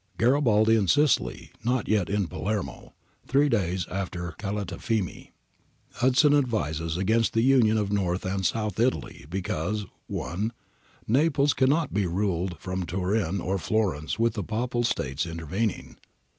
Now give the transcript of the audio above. [Garibaldi in Sicily, not yet in Palermo, Three days after Calatafimi.] Hudson advises against the union of North and South Italy, because —' i. Naples cannot be ruled from Turin or Florence with the Papal States intervening.'